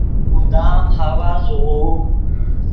مدام ہوا زوغوؤ